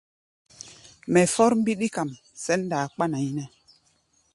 Mɛ fɔ́r mbíɗí kam sɛ̌n ndaa kpána yínɛ́.